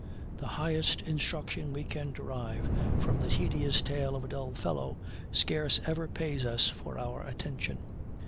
The highest instruction we can derive from the tedious tale of a dull fellow scarce ever pays us for our attention.